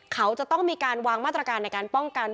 เขาจะต้องมีการวางมาตรการในการป้องกัน